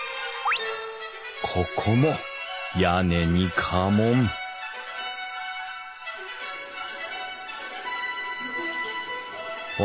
ここも屋根に家紋うわ。